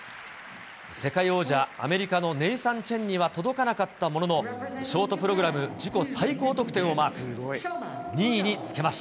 世界王者、アメリカのネイサン・チェンには届かなかったものの、ショートプログラム自己最高得点をマーク。